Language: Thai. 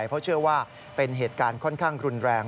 เพราะเชื่อว่าเป็นเหตุการณ์ค่อนข้างรุนแรง